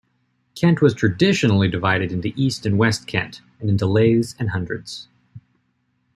Kent was traditionally divided into East and West Kent, and into lathes and hundreds.